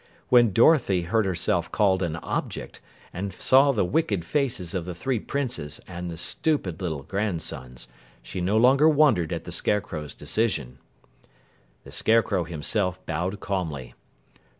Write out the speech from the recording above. When Dorothy heard herself called an object and saw the wicked faces of the three Princes and the stupid little grandsons, she no longer wondered at the Scarecrow's decision. The Scarecrow himself bowed calmly.